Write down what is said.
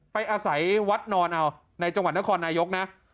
ไปอาศัยวัดนอนเอาในจังหวัดนครนายกนะ